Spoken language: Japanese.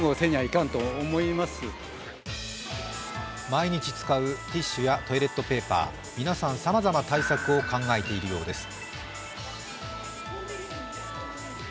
毎日使うティッシュやトイレットペーパー、皆さんさまざま対策を考えているようです。